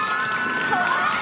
かわいい！